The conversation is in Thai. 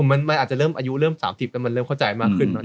มันอาจจะเริ่มอายุเริ่ม๓๐แล้วมันเริ่มเข้าใจมากขึ้น